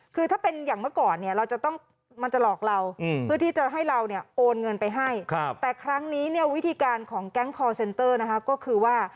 คือถ้าเป็นอย่างเมื่อก่อนเนี่ยมันจะหลอกเรา